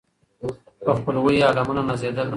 په خپلوي یې عالمونه نازېدله